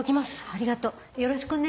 ありがとうよろしくね。